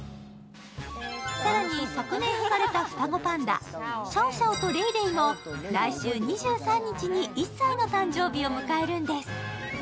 更に昨年生まれた双子パンダ、シャオシャオとレイレイも来週２３日に１歳の誕生日を迎えるんです。